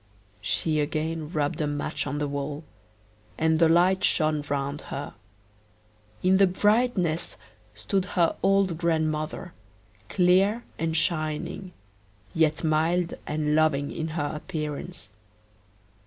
She again rubbed a match on the wall, and the light shone round her; in the brightness stood her old grandmother, clear and shining, yet mild and loving in her appearance.